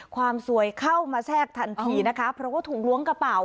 ความสวยเข้ามาแทรกทันทีนะคะเพราะว่าถูกล้วงกระเป๋า